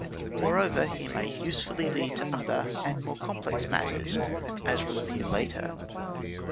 Moreover, he may usefully lead to other and more complex matters, as will appear later.